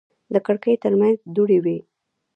د کړکۍ ترمنځ دوړې وې.